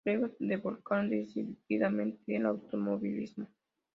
Luego se volcaron decididamente al automovilismo.